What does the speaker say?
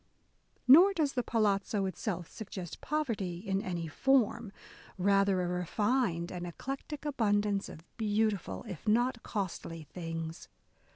Nor does the palazzo itself suggest poverty in any form : A DAY WITH E. B. BROWNING rather, a refined and eclectic abundance of beautiful, if not costly things.